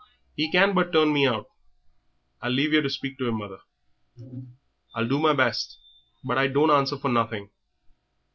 '" "He can but turn me out, I'll leave yer to speak to 'im, mother." "I'll do my best, but I don't answer for nothing.